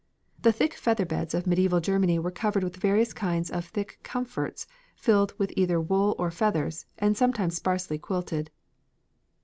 The thick feather beds of medieval Germany were covered with various kinds of thick comforts filled with either wool or feathers, and sometimes sparsely quilted.